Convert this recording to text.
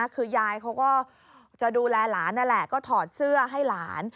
คือยายเขาก็จะดูแลหลานนั่นแหละก็ถอดเสื้อให้หลาน